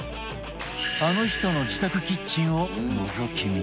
あの人の自宅キッチンをのぞき見